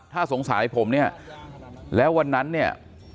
ถ้าสงสัยผมเนี่ยแล้ววันนั้นเนี่ย